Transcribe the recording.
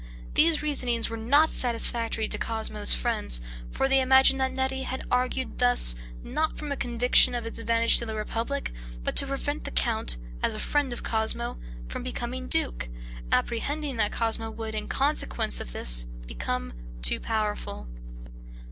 These reasonings were not satisfactory to Cosmo's friends, for they imagined that Neri had argued thus, not from a conviction of its advantage to the republic, but to prevent the count, as a friend of Cosmo, from becoming duke, apprehending that Cosmo would, in consequence of this, become too powerful.